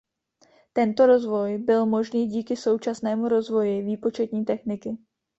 Tento rozvoj byl možný díky současnému rozvoji výpočetní techniky.